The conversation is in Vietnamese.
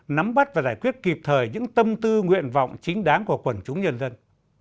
nắm bắt và giải quyết kịp thời những tâm tư nguyện vọng chính đáng của quần chúng nhân dân